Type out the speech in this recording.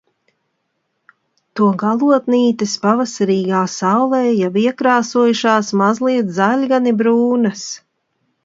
To galotnītes pavasarīgā saulē jau iekrāsojušās mazliet zaļgani brūnas.